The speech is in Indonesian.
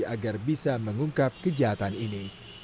agar bisa mengungkap kejahatan ini